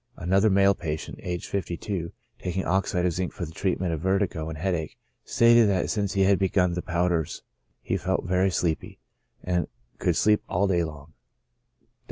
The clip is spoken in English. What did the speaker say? Another male patient, aged 52, taking oxide of zinc for the treatment of vertigo and headache, stated that since he had begun the powders he felt very sleepy, and could sleep all day long.